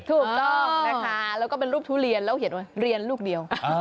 ถูกต้องนะคะแล้วเป็นรูปทุเรียนก็เรียนลูกเดียว